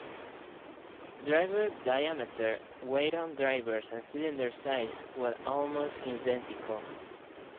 Driver diameter, weight on drivers and cylinder size were almost identical.